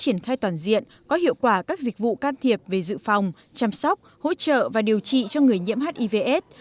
hành động thay toàn diện có hiệu quả các dịch vụ can thiệp về dự phòng chăm sóc hỗ trợ và điều trị cho người nhiễm hiv aids